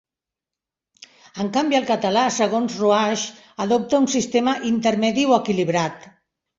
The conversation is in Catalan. En canvi el català, segons Ruaix, adopta un sistema "intermedi o equilibrat".